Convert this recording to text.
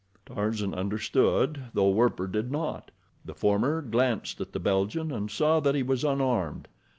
Tarzan understood, though Werper did not. The former glanced at the Belgian and saw that he was unarmed.